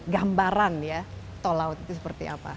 gambaran ya tol laut itu seperti apa